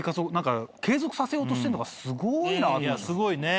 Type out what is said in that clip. させようとしてるのがすごいなと。